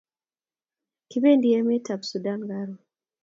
kipendi emet ab sudan karun